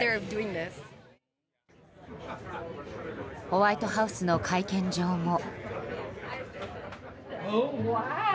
ホワイトハウスの会見場も。